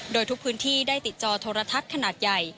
โดยทุกพื้นที่ได้ติดจอโทรทัศน์ขนาดใหญ่